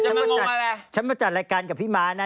ตั้งแต่ฉันมาจัดรายการกับพี่ม้านะ